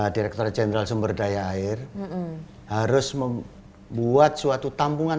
direktur jenderal sumber daya air harus membuat suatu tampungan